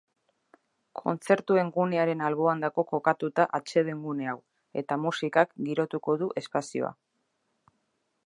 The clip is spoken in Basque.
Kontzertuen gunearen alboan dago kokatuta atseden gune hau eta musikak girotuko du espazioa.